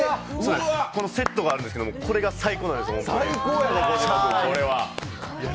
このセットがあるんですけど、これが最高なんです。